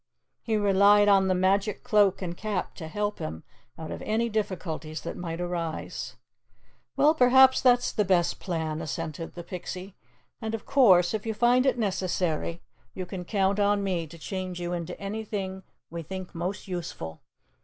He relied on the magic Cloak and Cap to help him out of any difficulties that might arise. "Well, perhaps that's the best plan," assented the Pixie. "And of course, if you find it necessary, you can count on me to change you into anything we think most useful.